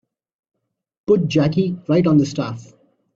Put Jackie right on the staff.